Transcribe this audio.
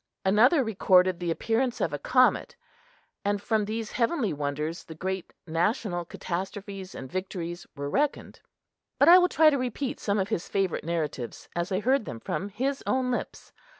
Another recorded the appearance of a comet; and from these heavenly wonders the great national catastrophes and victories were reckoned. But I will try to repeat some of his favorite narratives as I heard them from his own lips.